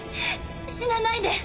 死なないで！